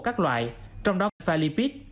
các loại trong đó pha lipid